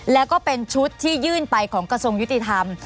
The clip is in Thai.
แล้วก็เป็นชุดที่ยื่นไปของกระทรวงยุติธรรม